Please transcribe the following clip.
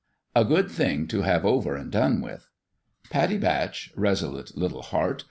" A good thing to have over and done with 1 Pattie Batch, resolute little heart !